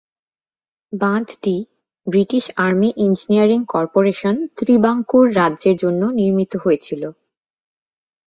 বাঁধটি British army engineering corporation Travancore রাজ্যের জন্য নির্মিত হয়েছিল।